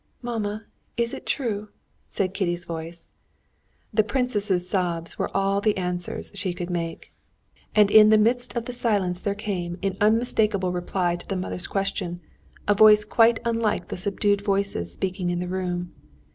"Mamma, is it true?" said Kitty's voice. The princess's sobs were all the answers she could make. And in the midst of the silence there came in unmistakable reply to the mother's question, a voice quite unlike the subdued voices speaking in the room.